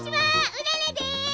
うららです！